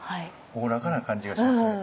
おおらかな感じがしますよね。